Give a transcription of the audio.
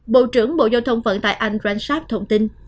bộ trưởng bộ giao thông vận tải anh grant sharp thông tin